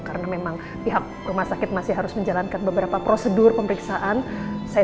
karena memang pihak rumah sakit masih harus menjalankan beberapa prosedur pemeriksaan saya